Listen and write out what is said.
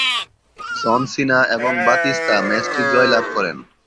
জন Cena এবং Batista ম্যাচটি জয়লাভ করেন।